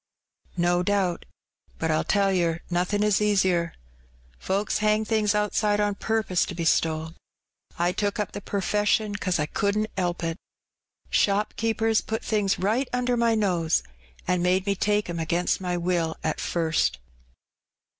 "No doubt. But, I'll tell yer, nothin' is easier. Folks hang things outside on purpose to be stole. I took up the per fession 'cause I couldn't 'elp it. Shopkeepers put things right under my nose, an' made me take 'em against my will at fast.